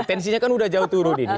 tensinya kan udah jauh turun ini